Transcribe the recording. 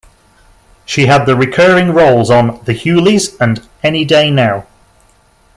She had the recurring roles on "The Hughleys" and "Any Day Now".